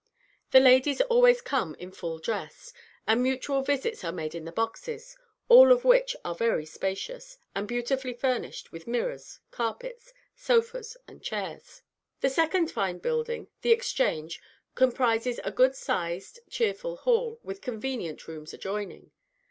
The ladies always come in full dress, and mutual visits are made in the boxes, all of which are very spacious, and beautifully furnished with mirrors, carpets, sofas, and chairs. The second fine building, the Exchange, comprises a good sized, cheerful hall, with convenient rooms adjoining.